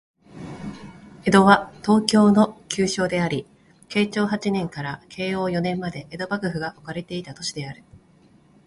江戸は、東京の旧称であり、慶長八年から慶応四年まで江戸幕府が置かれていた都市である